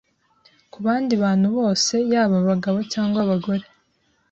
Ku bandi bantu bose yaba abagabo cyangwa abagore,